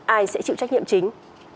ai sẽ chịu trách nhiệm chính